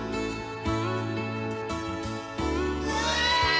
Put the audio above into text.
うわ！